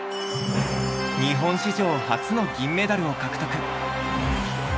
日本史上初の銀メダルを獲得。